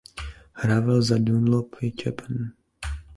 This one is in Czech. Hrával za Dunlop Japan.